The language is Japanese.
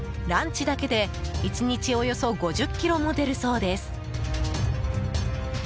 ランチだけで１日およそ５０ｋｇも出るそうです。